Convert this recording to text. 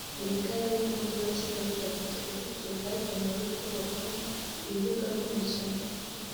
Buri karere k’umujyi wa Kigali gafite ubuso bwagenewe kubakwaho ibibuga by’imikino